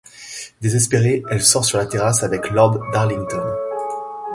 Désespérée, elle sort sur la terrasse avec Lord Darlington.